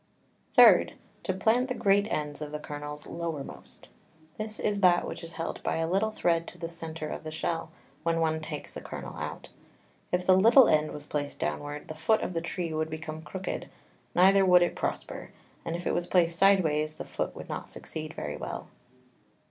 3. To plant the great Ends of the Kernels lowermost. This is that which is held by a little Thread to the Center of the Shell, when one takes the Kernel out. If the little End was placed downward, the Foot of the Tree would become crooked, neither would it prosper; and if it was placed sideways, the Foot would not succeed very well.